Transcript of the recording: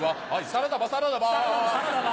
サラダバサラダバ